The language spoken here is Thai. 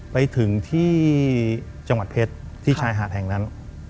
ไปถึงที่จังหวัดเพชรที่ชายหาดแห่งนั้น